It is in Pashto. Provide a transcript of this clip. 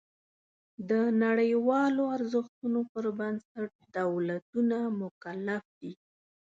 د نړیوالو ارزښتونو پر بنسټ دولتونه مکلف دي.